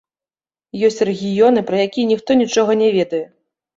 Ёсць рэгіёны, пра якія ніхто нічога не ведае.